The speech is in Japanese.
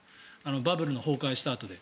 バブルの崩壊したあとで。